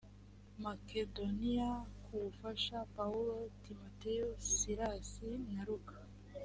makedoniya kubafasha pawulo timoteyo silasi na luka